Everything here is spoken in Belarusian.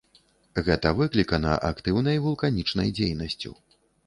Гэта выклікана актыўнай вулканічнай дзейнасцю.